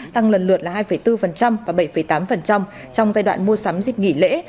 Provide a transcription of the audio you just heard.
tăng lần lượt là hai bốn và bảy tám trong giai đoạn mua sắm dịp nghỉ lễ